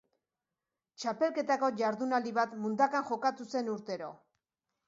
Txapelketako jardunaldi bat Mundakan jokatu zen urtero.